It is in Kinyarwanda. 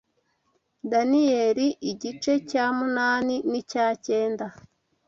Daniyeli igice cya munani n’icya cyenda